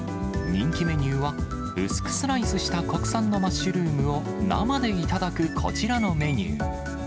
人気メニューは、薄くスライスした国産のマッシュルームを生で頂くこちらのメニュー。